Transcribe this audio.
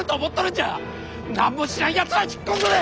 何も知らんやつは引っ込んどれ！